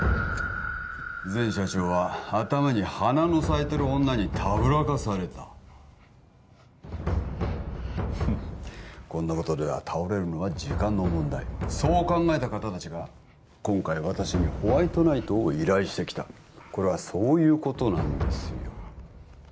前社長は頭に花の咲いてる女にたぶらかされたフッこんなことでは倒れるのは時間の問題そう考えた方達が今回私にホワイトナイトを依頼してきたこれはそういうことなんですよ